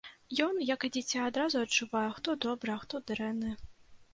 Ён, як і дзіця, адразу адчувае, хто добры, а хто дрэнны.